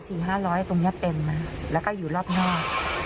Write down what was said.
สี่ห้าร้อยตรงนี้เต็มนะแล้วก็อยู่รอบหน้า